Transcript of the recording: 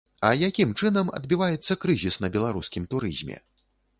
А якім чынам адбіваецца крызіс на беларускім турызме?